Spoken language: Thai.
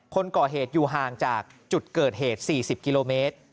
คนก่อเหตุอยู่ห่างจากจุดเกิดเหตุ๔๐กิโลเมตร